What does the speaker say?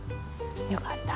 よかった。